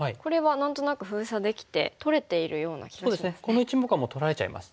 この１目はもう取られちゃいます。